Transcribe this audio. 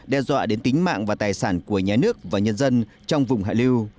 đe dọa đến tính mạng và tài sản của nhà nước và nhân dân trong vùng hạ lưu